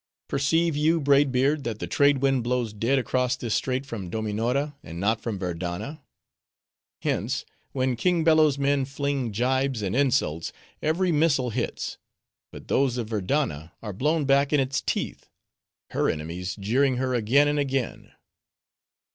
Perceive you, Braid Beard, that the trade wind blows dead across this strait from Dominora, and not from Verdanna? Hence, when King Bello's men fling gibes and insults, every missile hits; but those of Verdanna are blown back in its teeth: her enemies jeering her again and again."